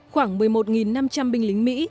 khoảng một mươi một năm trăm linh binh lính mỹ